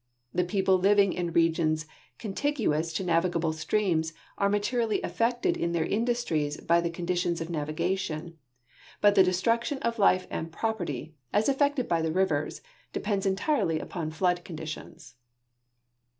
The people living in regions contiguous to navigable streams are materiall}^ affected in their industries by the conditions of navigation, but the de struction of life and property, as effected by the rivers, depends entire!}'' upon flood conditions.